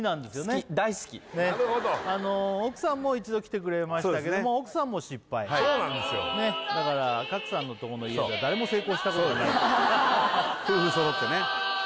好き大好き奥さんも一度来てくれましたけども奥さんも失敗だから賀来さんのとこの家では誰も成功したことがない・夫婦揃ってね